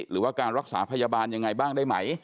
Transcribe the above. หรือว่าการรักษาพยาบาลยังไงบ้างได้ไหม